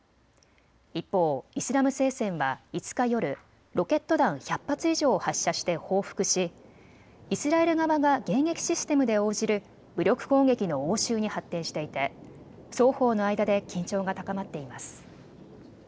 一方、イスラム聖戦は５日夜、ロケット弾１００発以上を発射して報復しイスラエル側が迎撃システムで応じる武力攻撃の応酬に発展していて双方の間で緊張が高まっています。